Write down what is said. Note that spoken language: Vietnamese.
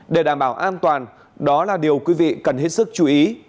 để đảm bảo an toàn đó là điều quý vị cần hết sức chú ý